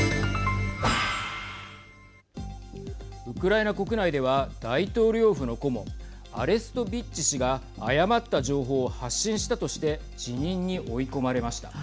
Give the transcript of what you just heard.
ウクライナ国内では大統領府の顧問アレストビッチ氏が誤った情報を発信したとして辞任に追い込まれました。